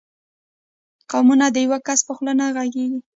قومونه د یو کس په خوله نه غږېږي.